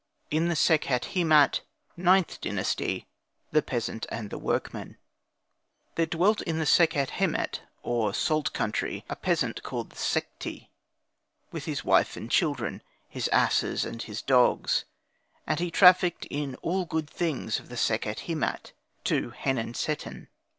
IN THE SEKHET HEMAT IXTH DYNASTY THE PEASANT AND THE WORKMAN There dwelt in the Sekhet Hemat or salt country a peasant called the Sekhti, with his wife and children, his asses and his dogs; and he trafficked in all good things of the Sekhet Hemat to Henenseten.